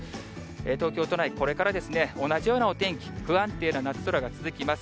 東京都内、これからですね、同じようなお天気、不安定な夏空が続きます。